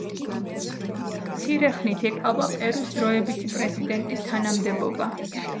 მცირე ხნით ეკავა პერუს დროებითი პრეზიდენტის თანამდებობა.